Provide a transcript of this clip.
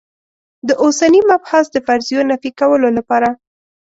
د اوسني مبحث د فرضیو نفي کولو لپاره.